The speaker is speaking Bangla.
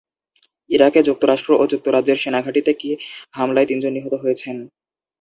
ইরাকে যুক্তরাষ্ট্র ও যুক্তরাজ্যের সেনাঘাঁটিতে কি হামলায় তিনজন নিহত হয়েছেন?